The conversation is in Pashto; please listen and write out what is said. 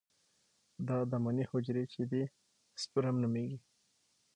دا د مني حجرې چې دي سپرم نومېږي.